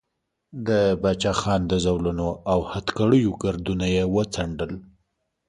د باچا خان د زولنو او هتکړیو ګردونه یې وڅنډل.